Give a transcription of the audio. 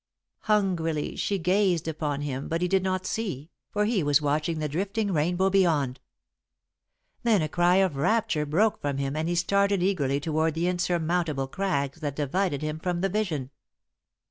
Hungrily, she gazed upon him, but he did not see, for he was watching the drifting rainbow beyond. Then a cry of rapture broke from him and he started eagerly toward the insurmountable crags that divided him from the Vision.